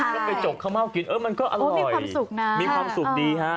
มันกินจักขามัวกินมันก็มีความสุดดี